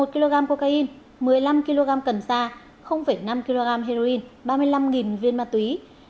một kg cocaine một mươi năm kg cần sa năm kg heroin ba mươi năm viên ma túy